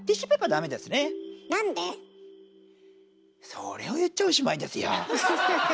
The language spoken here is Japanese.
それを言っちゃおしまいですよ。